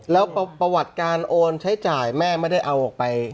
แล้วประวัติการโอนใช้จ่ายแม่ไม่ได้เอาออกไป